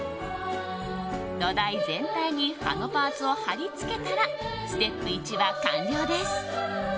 土台全体に葉のパーツを貼り付けたらステップ１は完了です。